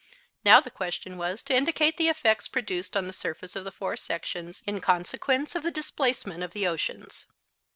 Now, the question was to indicate the effects produced on the surface of the four sections in consequence of the displacement of the oceans.